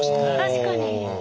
確かに。